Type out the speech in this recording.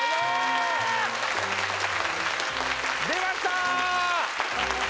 出ました！